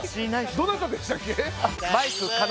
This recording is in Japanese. どなたでしたっけ？